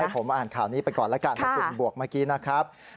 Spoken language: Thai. เอาให้ผมอ่านข่าวนี้ไปก่อนละกันคุณบวกเมื่อกี้นะครับ